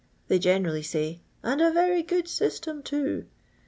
They generally say, 'and a very good system, too.'